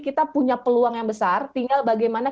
kita punya peluang yang besar tinggal bagaimana